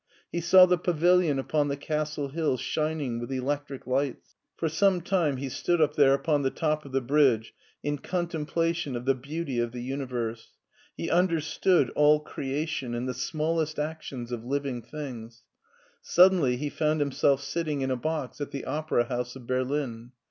He saw the pavilion upon the castle hill shining with electric lights. For some time he stood up there upon the top of the bridge in contemplation of the beauty of the universe ; he understood all crea tion and the smallest actions of living things. Sud denly he found himself sitting in a box at the Opera House of Berlin.